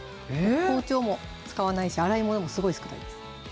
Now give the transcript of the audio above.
包丁も使わないし洗い物もすごい少ないです